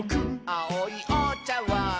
「あおいおちゃわん」